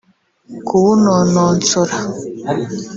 kuwunononsora